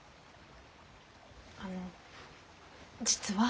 あの実は。